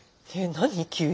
何急に。